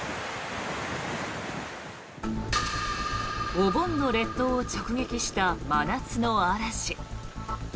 お盆の列島を直撃した真夏の嵐。